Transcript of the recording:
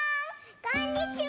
こんにちは！